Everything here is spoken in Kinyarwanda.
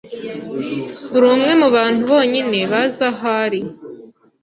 Uri umwe mubantu bonyine bazi aho ari.